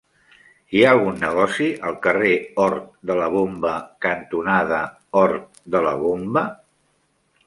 Hi ha algun negoci al carrer Hort de la Bomba cantonada Hort de la Bomba?